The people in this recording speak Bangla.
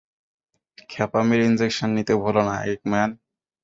ক্ষ্যাপামির ইনজেকশন নিতে ভুলো না, এগম্যান!